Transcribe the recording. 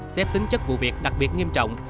xét tính chất vụ việc đặc biệt nghiêm trọng